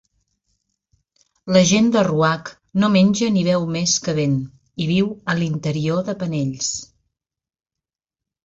La gent de Ruach no menja ni beu més que vent, i viu a l'interior de penells.